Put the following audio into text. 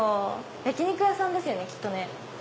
焼き肉屋さんですよねきっとね。